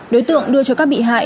đối tượng đưa cho các bị hại